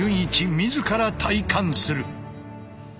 自ら体感する！